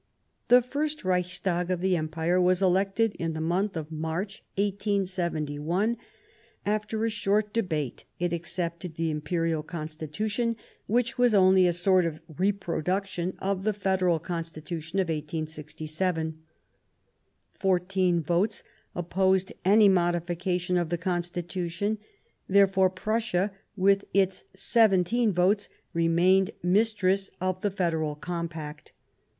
The first Reichstag of the Empire was elected in the month of March, 1871 ; after a short debate it accepted the Imperial Constitution, which was only a sort of reproduction of the Federal Constitution of 1867. Fourteen votes opposed any modification of the Constitution ; therefore Prussia, with its seventeen votes, remained mistress of the Federal Compact.